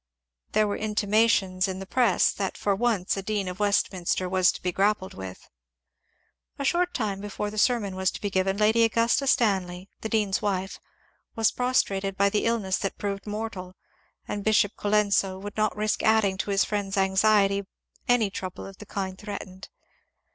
There were intimations in the press that for once a dean of Westminster was to be gprappled with. A short time before the sermon was to be given Lady Augusta Stanley, the dean's wife, was prostrated by the illness that proved mortal, and Bishop Colenso would not risk adding to his friend's anxiety any trouble of the kind threatened.